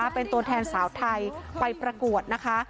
เป็นตัวแทนสาวไทยไปประกวดนะคะ